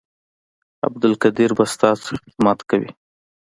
عبدالقدیر به ستاسو خدمت کوي